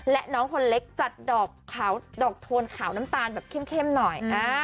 และน้องคนเล็กจัดดอกโทนขาวน้ำตาลแบบเข้มหน่อย